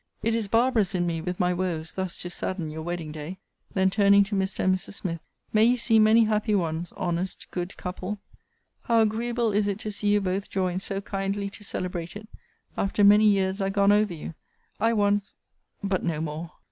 ] 'It is barbarous in me, with my woes, thus to sadden your wedding day.' Then turning to Mr. and Mrs. Smith 'May you see many happy ones, honest, good couple! how agreeable is it to see you both join so kindly to celebrate it, after many years are gone over you! I once but no more!